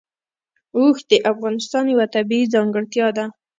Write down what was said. اوښ د افغانستان یوه طبیعي ځانګړتیا ده.